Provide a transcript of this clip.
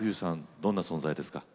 どんな存在ですか？